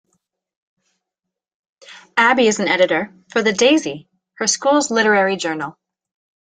Abby is an editor for "The Daisy", her school's literary journal.